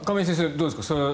どうですか。